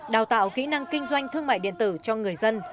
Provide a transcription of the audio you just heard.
đào tạo kỹ năng kinh doanh thương mại điện tử cho người dân